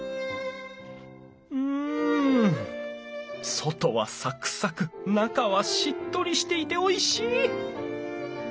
外はサクサク中はしっとりしていておいしい！